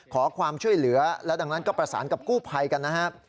ขอความช่วยเหลือและดังนั้นก็ประสานกับกู้ภัยกันนะครับ